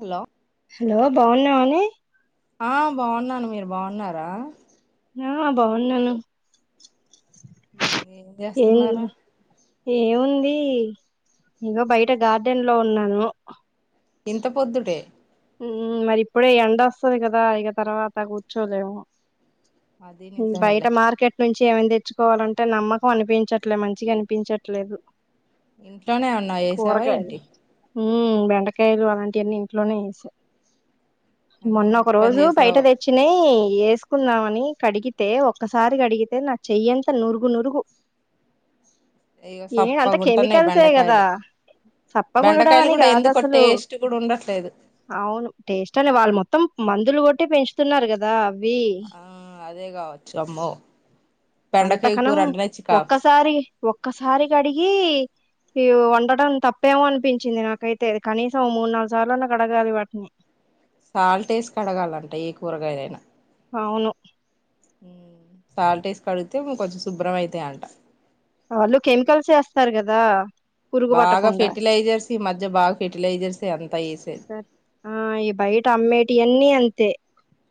Hello hello బాగున్నవాని ఆ బాగున్నాను మీరు బాగున్నారా? ఆ బాగున్నాను. ఏం ఏం చేస్తున్నారు? ఏముంది ఇగ బయట గార్డెన్ లో ఉన్నాను. ఇంత పొద్దుడే ఉమ్ మరి ఇప్పుడే ఎండ అస్తది కదా ఇగ తర్వాత కూర్చోలేము. అది బయట నిజమేలే మార్కెట్ నుం చేమని తెచ్చుకోవాలంటే నమ్మకం అనిపించట్లే మంచిగా అనిపించట్లేదు. ఇంట్లోనే ఏమన్నా ఏసావా కూరగాయలు ఏంటి. ఉమ్ బెండకాయలు అలాంటి అన్నీ ఇంట్లోనే ఏస ఎంత మొన్న ఒక మంచి పని రోజు బయట చేసావు తెచ్చినెయ్ ఏసుకుందామని కడిగితే, ఒక్కసారి కడిగితే నా చెయ్యంత నురుగు నురుగు ఇగో ఏ అంత సప్పగుంటున్నాయి కెమికల్సే కదా బెండకాయలు. సప్పగుండడం బెండకాయలు అని కూడా కాదు ఎందుకో అసలు టేస్ట్ కూడా ఉండట్లేదు. అవును టేస్ట్ అనే వాళ్ళు మొత్తం మందులు కొట్టే పెంచుతున్నారు కదా. వీ ఆ అదే కావచ్చు అమ్మో అంత బెండకాయ కనం కూర అంటేనే చికాకు ఒక్కసారి ఒక్కసారి కడిగీ ఇ వండటం తప్పేమో అనిపించింది నాకైతే కనీసం మూడు నాలుగు సార్లు అన్న కడగాలి వాటిని సాల్ట్ ఏసి కడగాలంట ఏ కూరగాయలైనా. అవును సాల్ట్ వేసి కడిగితే కొంచెం శుభ్రం అయితాయ్ అంట. వాళ్ళు కెమికల్స్ ఏస్తారు కదా. పురుగు బాగా పట్టకుండా, ఫెర్టిలైజర్స్ ఈ మధ్య బాగా ఫెర్టిలైజర్స్ అంతా వేసేది ఆ ఈ బయట అమ్మేటియన్ని అంత్ తే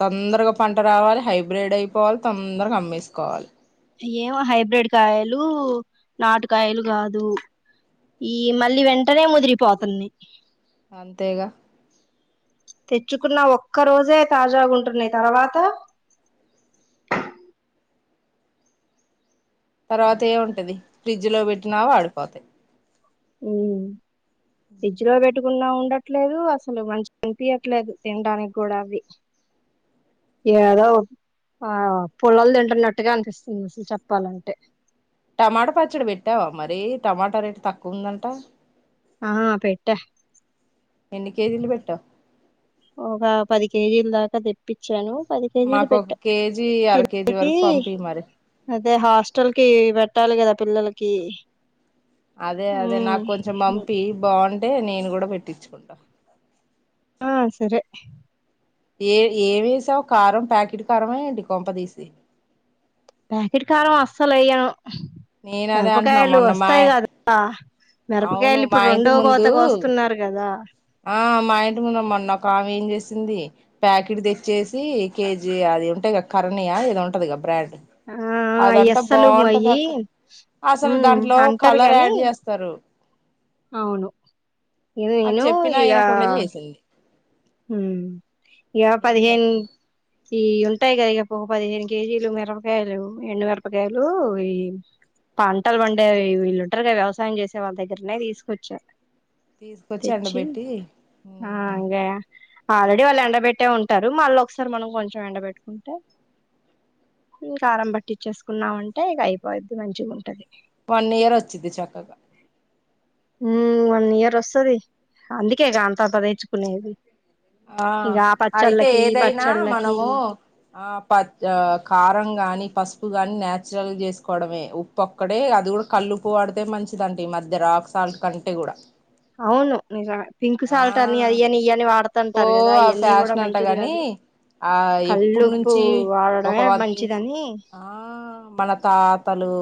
తొందరగ పంట రావాలె, హైబ్రిడ్ అయిపోవాలె, తొందరగా అమ్మేసుకోవాలె. ఏమో హైబ్రిడ్ కాయలు, నాటుకాయలు కాదు. ఈ మళ్ళి వెంటనే ముదిరిపోతున్నాయ్. అంతేగ తెచ్చుకున్న ఒక్క రోజే తాజాగా ఉంటున్నయ్, తర్వాత తర్వాత ఏం ఉంటది. ఫ్రిడ్జ్ లో పెట్టినా వాడిపోతయ్. ఉమ్ ఫ్రిడ్జ్ లో పెట్టుకున్నా ఉం ఉండట్లేదు అసలు మంచి అనిపయట్లేదు తినటానికి కూడా అవి ఏదో ఆ పుల్లలు తింటున్నట్టుగా అనిపిస్తుంది అసలు చెప్పాలంటే టమాటా పచ్చడి పెట్టావా మరి టమాటా రేటు తక్కువ ఉందంట ఆ పెట్ట ఎన్ని కేజీలు పెట్టావ్ ఒక పది కేజీల్ దాకా తెప్పిచ్చాను మాకు ఒక కేజీ అర కేజీ కి వరకు పంపి మరి అదే హాస్టల్ కి పెట్టాలి కదా పిల్లలకి అదే అదే ఉమ్, నాకు కొంచెం పంపి బాగుంటే నేను గుడ పెట్టిచ్చుకుంట ఆ సరే ఏ ఏమేసావు కారం ప్యాకెట్ కారమా ఎంటి కొంప తీసి ప్యాకిట్ కారం అస్సలు ఎయ్య నేను అదే అంటున్నా మిరపకాయలు మొన్న మా వస్తాయి కదా అవును మిరపకాయలు మా ఇప్పుడు ఇంటి రెండో కోత ముందు కోస్తున్నారు కదా ఆ మా ఇంటి ముందు మొన్న ఒకామె ఏ చేసింది ప్యాకెట్ తెచ్చేసి కేజీ అది ఉంటాయి గ కర్ని ఇది ఉంటది బ్రాండ్ ఆ అదంతా అయ్యేస్సలు బాగుంటది అయి అక్క అసలు మ్మ్ దాంట్లో అంటారు కలర్ కాని యాడ్ చేస్తారు అవును నేను నకుండా చేసింది మ్మ్ ఇగ ఏం పదిహేన్ చెప్పను ఈ ఉంటాయి కద ఇగ ఒక పదిహేను కేజీలు మిరపకాయలు ఎండు మిరపకాయలూ ఈ పంటలు పండేవి వీళ్ళుంటారు కదా వ్యవసాయం చేసే వాళ్ళ దగ్గరనే తీసుకొచ్చా తీసుకొచ్చి తెచ్చి ఎండబెట్టి ఆ ఇంగ ఆల్రెడీ వాళ్ళు ఎండబెట్టే ఉంటారు మళ్ళీ ఒకసారి మనం కొంచెం ఎండబెట్టుకుంటే కారం పట్టిచ్చేసుకున్నామంటే ఇక అయిపోద్ది మంచిగా ఉంటది వన్ ఇయర్ వచ్చిది చక్కగా హ్మ్ వన్ ఇయర్ వస్తది అందుకేగా అంత అంత తెచ్చుకునేది ఆ ఇగ అయితే పచ్చళ్ళకి ఈ ఏదైనా పచ్చళ్ళకి మనము ఆ ప కారం గాని పసుపు ఉప్పు గానీ నాచురల్గా చేసుకోవడమే ఉప్పు ఒక్కడే అది కూడా కల్లుుప్పు వాడితే మంచిదంటే ఈ మధ్య రాక్ సాల్ట్ కంటే కూడా అవును నిజమే పింక్ ఆ సాల్ట్ అని అయి అని యియ్ అని వాడ్ ఓ ఆ ఫ్యాషన్ అంట గాని ఆ ఎప్పుడు కల్లుప్పు నుంచి ఒక వాడడమే వంద్ మంచిదని ఆ మన తాతలు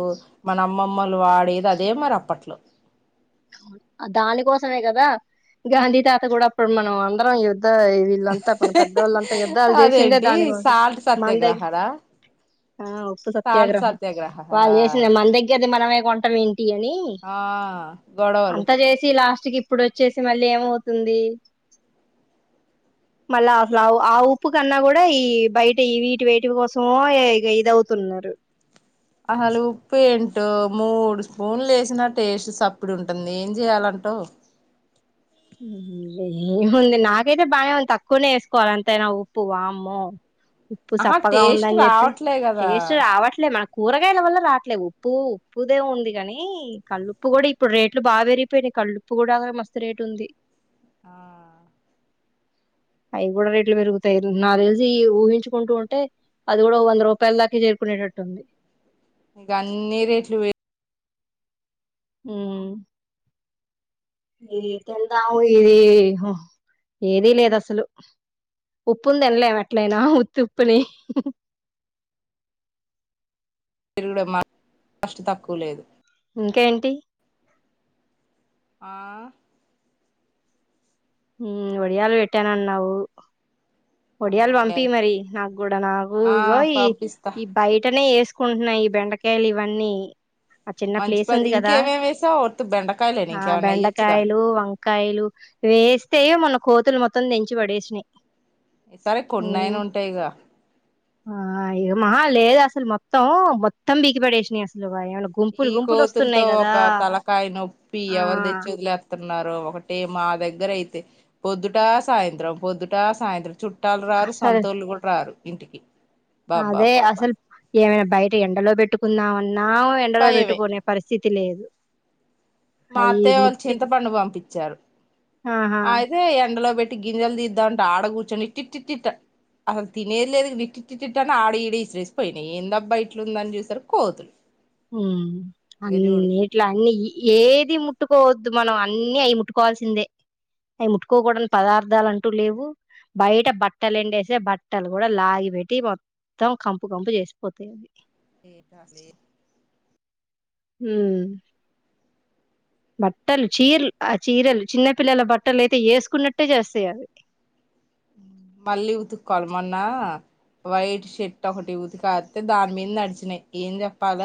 మన అమ్మమ్మలు వాడు ఇది అదే మరి అప్పట్లో ఆ దానికోసమే కదా గాంధీ తాత కూడా అప్పుడు మనం అందరం తా వాళ్ళంతా మన పెద్దోళ్ళంతా యుద్ధాలు చేసిందే అదేంటి దానికోసం సాల్ట్ మన దగ్గర సత్యాగ్రహనా ఆ ఉప్పు సాల్ట్ సత్యాగ్రహం వాళ్ళు చేసింది సత్యాగ్రహ మన దగ్గరది మనమే కొంట మీంది ఆ గొడవలు అంతా చేసి లాస్ట్ కి ఇప్పుడు వచ్చేసి మళ్ళీ ఏమోవుతుందీ మళ్ళ అసలు ఆ ఆ ఉప్పు కన్నా కూడా ఈ బయట వీటి వేటి కోసమో ఏ ఇదవుతున్నారు అసలు ఉప్పు ఏంటో మూడు స్పూన్లు వేసినా టేస్ట్ సప్పిడి ఉంటుంది ఏం చెయాలంటావ్ ఏముంది నాకైతే బానే ఉంది తక్కువనే వేసుకోవాలి ఎంతయినా ఉప్పు వామ్మో ఉప్పు ఆహా సప్పగా టేస్ట్ ఉందని చెప్పి రావట్లే కదా టేస్ట్ రావట్లే మకు కూరగాయల వల్ల రాట్లే ఉప్పు ఉప్పుదేముంది కానీ కళ్లుుప్పు కూడా ఇప్పుడు రేట్లు బా పెరిగిపోయినాయి కళ్ళు ఉప్పు కూడా మస్తు రేట్ ఉంది ఆ అయి కూడా రేట్లు పెరుగుతాయి నాకు తెలిసి ఊహించుకుంటూ ఉంటే అది కూడా వంద రూపాయల దాకా చేరుకునేటట్టు ఉంది ఇక అన్నీ రేట్లు వే హమ్ ఇది తిందాము ఇది ఏదీ లేదు అసలు ఉప్పుని తినలేము ఎట్లయినా ఉత్తి ఉప్పుని మీరు కూడా కాస్ట్ తక్కువ లేదు ఇంకేంటి ఆ హమ్ ఒడియాలు పెట్టానన్నావు ఒడియాలు అమ్మో పంపి మరి నాకు కూడా నాకు ఆ ఇగో ఈ పంపిస్తా ఈ బయటనే వేసు కుంటున్నాయ్ ఈ బెండకాయలు ఇవన్నీ ఆ చిన్న మంచి ప్లేస్ పని ఉంది కదా ఇంకేమేమి వేసావ్ ఉతి బెండకాయలేని ఇంకేమైనా వెయ్యొచ్చుగా కాయలు వేస్తే మొన్న కోతులు మొత్తం తెంచి పడేసినాయి సరే కొన్నయిన ఉమ్, ఉంటాయిగా ఆ ఇగామా లేదు అసలు మొత్తం మొత్తం పీకి పడేసినాయి అసలు వా- ఏమైనా గుంపులు ఈ గుంపులు కోతులతో వస్తున్నాయి కదా ఒక తలకాయ్ నొప్పి ఆ ఎవరు తెచ్చి వదిలేతున్నా ఒకటి మా దగ్గర అయితే పొద్దుటా సాయంత్రం పొద్దుటా సాయంత్రం చుట్టూ చుట్టాలు రారు అసలు సంతోళ్ళు కూడ రారు ఇంటికి అదే బాబ్బాబ్బాబ్బా అసలు ఏమైనా బయట ఎండలో పెట్టుకుందామని నావు ఎండలో భయమే పెట్టుకునే పరిస్థితి లేదు మా అయి అత్తయ్య వాళ్ళు ముట్టి చింతపండు వంపించారు ఆహా అయితే ఎండలో పె గింజలు దిద్దామంటే ఆడ కూర్చొని ఇట్టిటిట్టిట్ట అసలు తినేది లేదు ఇట్టిటిటిట్ట అని ఆడ ఈడ ఇసిరేసిపోయినాయి ఏందబ్బ ఇట్లుందని చూసారికి కోతులు హమ్ ఇంక అన్ని చూడు ఎట్ల అన్ని ఇ ఏది ముట్టుకోవద్దు మనం అన్ని అయి ముట్టుకోవాల్సిందే అవి ముట్టుకోకూడని పదార్థాలు అంటూ లేవు బయట బట్టలు ఎండేసే బట్టలు కూడా లాగి పెట్టి మొత్తం కంపు కంపు చేసిపోతాయి అవి ఎంటో అసలు ఎ హమ్ బట్టలు చీరలు ఆ చీరలు చిన్నపిల్లల బట్టలు అయితే వేసుకున్నట్టే చేస్తయి అవి మళ్ళీ ఉతుక్కోవాలి మొన్న వైట్ షర్ట్ ఒకటి ఉతికారేస్తే దాని మింద నడిచినాయి ఏం చెప్పాల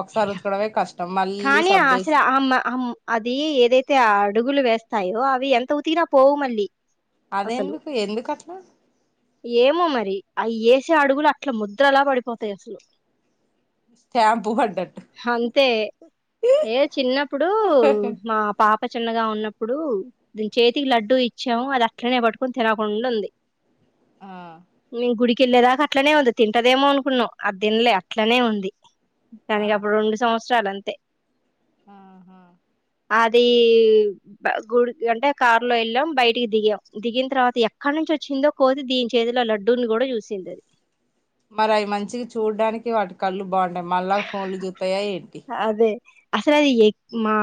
ఒకసారి ఉతకడమే కష్ట కానీ అసలు అమ ఆమ్ అది ఏదైతే ఆ అడుగులు వేస్తాయో అవి ఎంత ఉతికిిన పోవు మళ్ళీ అసలు అదెందుకు ఎందుకు అట్ల ఏమో మరి అయి యేసే అడుగులు అట్ల ముద్రల పడిపోతాయి అసలు స్టాంపూ పడ్డట్టు అంతే ఏ చిన్నప్పుడు మా పా అక్క చిన్నగా ఉన్నప్పుడు దీని చేతికి లడ్డు ఇచ్చాము అది అట్లనే పట్టుకొని తినకుండా ఉంది ఆ నేన్ గుడిక్ కెల్లేదాకా అట్లనే ఉంది తింటదేమో అనుకున్నాం అధిన్లే అట్లనే ఉంది ఆ దానికి అప్పుడు రెండు సంవత్స చాలంతే ఆహా అది గుడికి అంటే కారులో వెళ్ళాం బయటికి దిగాం దిగిన తర్వాత ఎక్కడ నుంచి వచ్చిందో కోతి దీని చేతిలో లడ్డూని గుడ చూసింది అది మరి అవి మంచిగా చూడ్డానికి వాటి కళ్ళు బాగుంటాయి మళ్ళా ఫోన్లుచూ అదే అసలు అది ఎక్ మా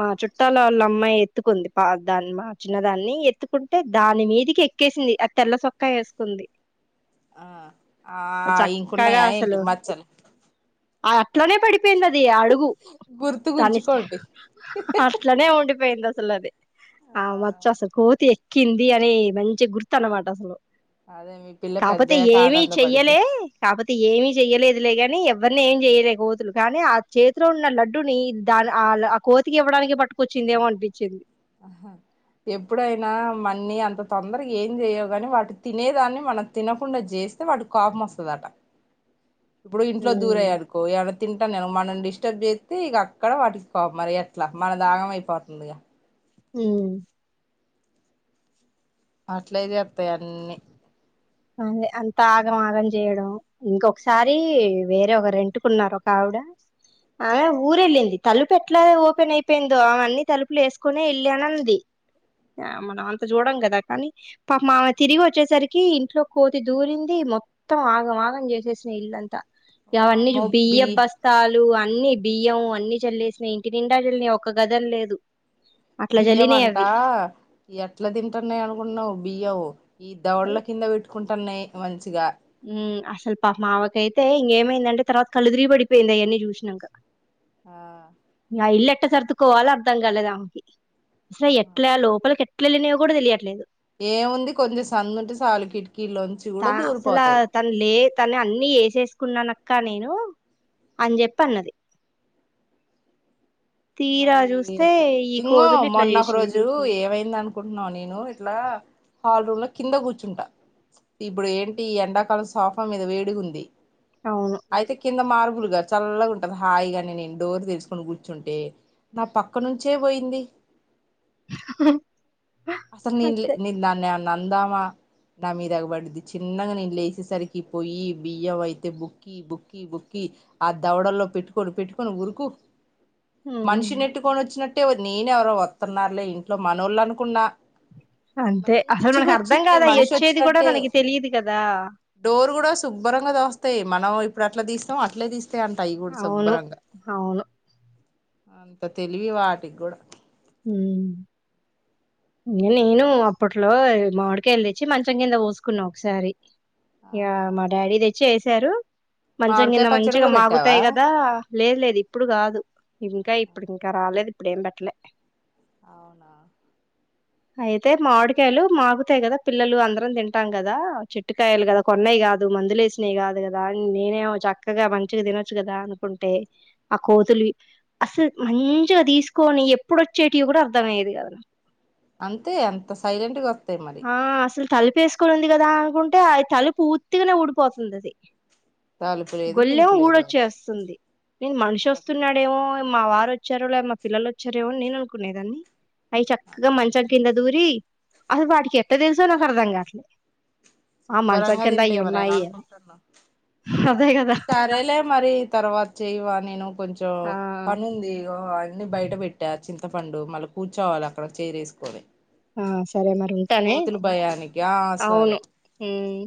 మా చుట్టాలలోళ్ళ అమ్మాయి ఎత్తుకుంది పా దాని మా చిన్నదాన్ని ఎత్తుకుంటే దాని మీదికి ఎక్కేసింది ఆ తెల్ల సొక్కా ఎసుకుంది ఆ ఇంకున్నాయ ఏంటి అసలు మచ్చలు ఆ ట్లోనే పడిప్ పోయిందది అడుగు తనిష్ట గుర్తుకుంచుకోండి హ అట్లనే ఉండిపోయింది అస్ అసలు అది ఆ మచ్చ అసలు కోతి ఎక్కింది అని మంచి గుర్తు అనమాట అసలు అదే మీ పిల్ల కాపోతే పెద్దయ్యాక ఏమి ఆనందపడిద్ది చెయ్యలే కాపోతే ఏమి చెయ్యలేదులే గాన్ ని ఎవరిని ఏం చేయలే కోతులు కానీ ఆ చేతిలో ఉన్న లడ్డుని దాని ఆ ఆ కోతికి ఇవ్వడానికి పట్టుకొచ్చిందిమో అనిపించింది. అహ ఎప్పుడైనా మన్ని అంత తొందరగా ఏం చేయవు కాని వాటి తినేదాన్ని మనం తినకుండా చేస్తే వాటి కోపం వస్తదట. ఇప్పుడు ఇంట్లో ఉమ్ దూరాయి అనుకో ఏమన్నా తింటన్నయ మనం డిస్టర్బ్ చేస్తే ఇక అక్కడ వాటికి కోపం మరి ఎట్లా మనది ఆగం అయిపోతుంది గ ఊ అట్లే చెతాయి అన్ని అదే అంత ఆగం ఆగం చేయడం ఇంకొకసారి వేరే ఒకరు రెంటుకున్నారు ఒక ఆవిడ అమె ఊరూ ఎళ్ళింది తలుపు ఎట్లా ఓపెన్ అయిపోయిందో అమె అన్ని తలుపులు వేసుకునే వెళ్ళాన అంది మనం అంత చూడం కదా కానీ పాపం ఆమె తిరిగి వచ్చేసరికి కోతి దూరింది మొత్తం ఆగం ఆగం చేసేసినై ఇల్లంతా ఇగ అవన్నీకి వామ్మో బి బియ్యపూ బస్తాలు అన్ని బియ్యం అన్ని చల్లేసినాయి ఇంటి నిండా చల్లినయ్ ఒక్కగది అని లేదు. అట్లా బియ్యం చల్లినాయి అంటా అవి ఎట్లా తింటన్నాయి అనుకుంటున్నావు బియ్యం ఈ దవడల కింద వెట్ కుంటన్నాయి మంచిగా ఊ అసలు పాప మావకైతే ఇంకేమైందంటే తర్వాత కళ్ళు దిరిగి పడిపోయింది అయన్నీ చూసినాక ఆ ఆ ఇల్లు ఎట్ట సర్దుకోవలో అర్థం కాలేదు ఆమెకి అసలెట్లా లోపలికె ఎట్లెల్లినయో గుడా తెలియట్లే ఏముంది కొంచెం సందుంటే సాలు కిటికీళ్ళొంచి త గుడా దూర్ అసలా తన్లే తను అన్ని ఎసేస్కున్నానక్క నేను అని జెప్పి అన్నది మరి ఇంగో ఇట్లా మొన్న ఒక జేషినయి. రోజూ ఏమైంద అనుకుట్నవ్ నేను ఇట్లా హల్ రూమ్లో కింద కూర్చుంటా ఇప్పుడు ఏంటి ఎండాకాలం సోఫా మీద వేడిగుంది అవును. ఐతె కింద మార్ కూల్ గా చల్లగుంటది హాయిగా నేన్ డోర్ తెర్చుకొని కూర్చుంటే న పక్క నుంచే పోయింది అసలు నేన్లే అంతే. నేన్ దన్ నందామా నా మీద ఎగబడిద్ది చిన్నగ నేన్ లేసేసరికి పోయి బియ్యం అయితే బుక్కి బుక్కి బుక్కి ఆ దవడల్లో పెట్టుకోని పెట్టుకొని ఉరుకు మనిషి హ్మ్. నెట్టుకోని ఒచ్చిన న్ నేను ఎవరో ఒత్తున్నారులే ఇంట్లో మనోళ్ళు అనుకున్నా అంతే. అసలు మనకర్థం చిగోచ్చింది గాదు మనిషి అయ్యొచ్చేది గూడా ఒచ్చినట్టే మనకి తెలీదు కదా! డోర్ గుడా శుభ్రంగా తోస్తయ్ మనం ఇప్పుడు ఎట్లా తీస్తాం అట్లే తీస్ అంట అయి గూడ అవును. శుభ్రంగా అవును. అంత తెలివి వాటికి గుడా ఉమ్ నేనూ అప్పట్లో మాడికాయల్ దెచ్చి మంచం కింద పోస్కున్న ఒకసారి యా ఆహా మా డాడీ దె చేసారు మంచం మామిడికాయ కింద పచ్చడి మంచిగా కూడా పెట్టావా మాగుతాయ్ గదా లేదు లేదు ఇప్పుడు కాదు ఇంక ఇప్పుడు ఇంక రాలేదు ఇప్పుడు ఏం పెట్టలే ఔనా ఐతే మామిడికాయలు మాగుతాయి గదా పిల్లలు అందరం తింటాం గదా చెట్టుకాయలు గదా కొన్నయ్ గాదు మందులే ఎసినయ్ కాదు గదా నేనేమో చక్కగా మంచిగ తినొచ్చు గదా అనుకుంటే ఆ కోతులు అస్సల్ మంచిగా తీస్కోని ఎప్ ఇప్పుడు ఒచ్చేటివి గుడా అర్థమయ్యేది గాద్ అంతే అంత సైలెంట్గా ఒ తే మరి తలిపెస్కొనింది గదా అనుకుంటే ఆ తలుపు ఉత్తిగనె ఊడిపోతుంది అది తాలుపు లేదు గొల్లెం గిలుపు లేదు వాటికి ఊడొచ్చేస్తుంది నేను మన్షి అంతే ఒస్తున్నాడేమో మా వార్ ఒచ్చారో లే మా పిల్లలు ఒచ్చారేమోనని నేన్ అనుకునేదాన్ని అయ్ చక్కగా అంతే మంచం కింద దూరి అసలు వాటికి ఎట్ట తెల్సో నాకర్థం కాట్లే శుభ్రంగా తింటాయి మరి ఏమనుకుంటున్నావ్ అదే కదా సరేలే మరి తర్వాత చేయవా నేను కొంచెం జో ఆ పనుంది ఇగో అన్ని బయట పెట్టా చింతపండు మళ్ళీ కూర్చోవాలి అక్కడ చైర్ ఎసుకోని ఆ సరే మరి ఉంటానే భయానికి ఆ సరే అవును హ్మ్